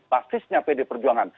basisnya pdip perjuangan